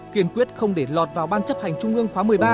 kiên quyết không để lọt vào ban chấp hành trung ương khóa một mươi ba